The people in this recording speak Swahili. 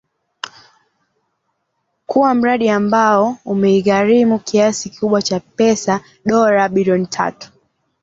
kuwa mradi ambao umeigharimu kiasi kikubwa cha pesa dola bilioni tatu